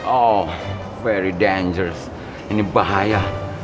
oh very dangers ini bahaya